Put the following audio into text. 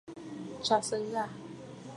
Tsyàsə̀ ghâ.